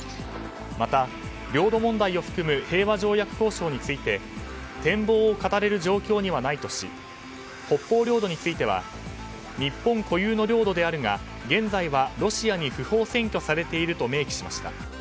また、領土問題を含む平和条約交渉について展望を語れる状況にはないとし北方領土については日本固有の領土であるが現在は、ロシアに不法占拠されていると明記しました。